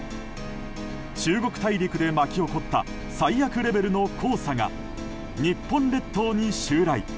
中国大陸で巻き起こった最悪レベルの黄砂が日本列島に襲来。